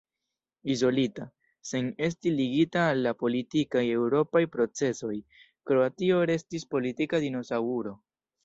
Izolita, sen esti ligita al la politikaj eŭropaj procesoj, Kroatio restis politika dinosaŭro.